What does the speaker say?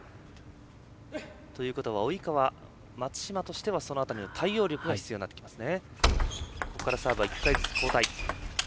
ということは及川、松島としてはその辺りの対応力が必要になってきますね。